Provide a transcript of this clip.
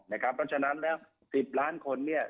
นะครับเพราะฉะนั้นแล้ว๑๐ล้านคนเนี่ย